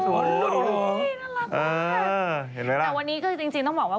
แต่วันนี้ก็จริงน้องก็ว่า